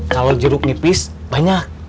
kalau jeruk nipis banyak